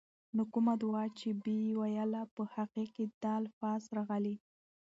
نو کومه دعاء چې به ئي ويله، په هغې کي دا الفاظ راغلي: